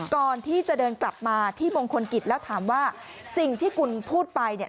ก่อนที่จะเดินกลับมาที่มงคลกิจแล้วถามว่า